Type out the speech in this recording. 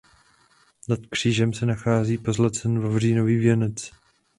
Nad křížem se nachází pozlacený vavřínový věnec.